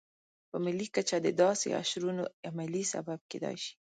په ملي کچه د داسې اشرونو عملي سبب کېدای شي.